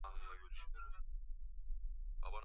na anatakiwa kuwa mrembo lakini urembo pia